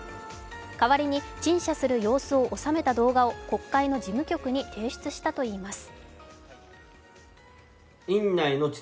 代わりに陳謝する様子を収めた動画を国会の事務局に提出したと言います。